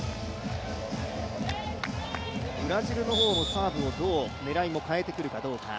ブラジルの方もサーブをどう、狙いも変えてくるかどうか。